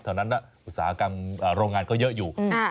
แถวนั้นอุตสาหกรรมโรงงานก็เยอะอยู่